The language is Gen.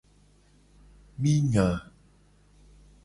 Mi nya.